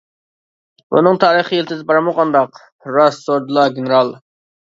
بۇنىڭ تارىخىي يىلتىزى بارمۇ، قانداق؟ -راست سورىدىلا، گېنېرال.